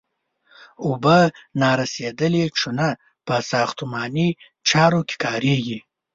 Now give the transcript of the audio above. اوبه نارسیدلې چونه په ساختماني چارو کې کاریږي.